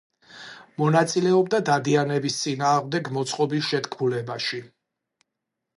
მონაწილეობდა დადიანების წინააღმდეგ მოწყობილ შეთქმულებაში.